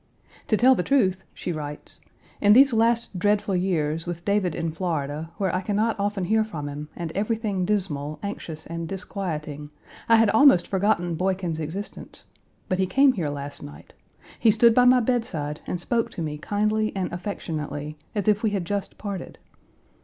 "To tell the truth," she writes "in these last dreadful years, with David in Florida, where I can not often hear from him, and everything dismal, anxious, and disquieting, I had almost forgotten Boykin's existence, but he came here last night; he stood by my bedside and spoke to me kindly and affectionately, as if we had just parted.